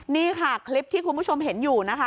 นี่ค่ะคลิปที่คุณผู้ชมเห็นอยู่นะคะ